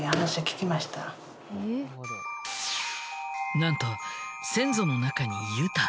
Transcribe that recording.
なんと先祖の中にユタ。